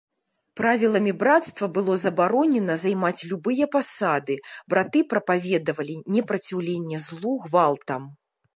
Правіламі брацтва было забаронена займаць любыя пасады, браты прапаведавалі непраціўленне злу гвалтам.